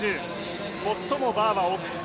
最もバーは奥。